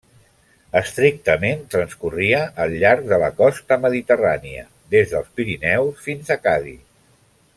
Estrictament transcorria al llarg de la costa mediterrània: des dels Pirineus fins a Cadis.